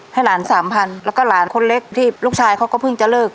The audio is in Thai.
ให้หลานสามพันแล้วก็หลานคนเล็กที่ลูกชายเขาก็เพิ่งจะเลิก